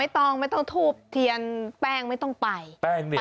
ต้องไม่ต้องทูบเทียนแป้งไม่ต้องไปแป้งนี่